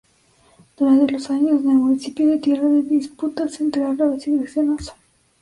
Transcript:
Durante los años el municipio fue tierra de disputas entre árabes y cristianos.